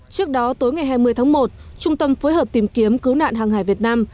trước đó tối ngày hai mươi tháng một trung tâm phối hợp tìm kiếm cứu nạn hàng hải việt nam